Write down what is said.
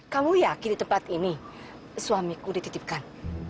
kamu yakin di tempat ini suamiku dititipkan